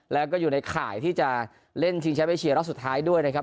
แล้วก็อยู่ในข่ายที่จะเล่นชิงแชมป์เอเชียรอบสุดท้ายด้วยนะครับ